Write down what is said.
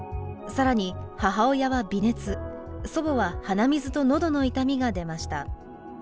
更に母親は微熱祖母は鼻水とのどの痛みが出ました。